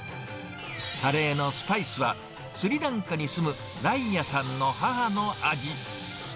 カレーのスパイスは、スリランカに住む、ライヤさんの母の味。